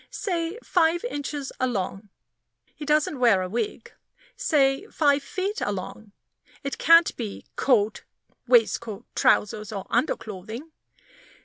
Say "5" (inches) "along" he doesn't wear a wig. Say "5" (feet) "along" it can't be coat, waistcoat, trousers, or underclothing.